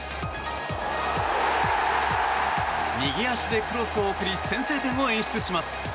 右足でクロスを送り先制点を演出します。